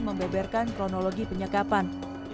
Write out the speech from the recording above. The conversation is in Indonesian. membeberkan kronologi penyekapan